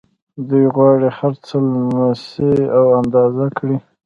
دوی غواړي هرڅه لمس او اندازه کړي